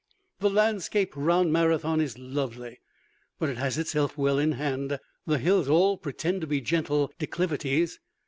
The landscape round Marathon is lovely, but it has itself well in hand. The hills all pretend to be gentle declivities.